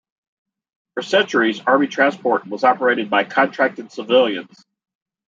For centuries, army transport was operated by contracted civilians.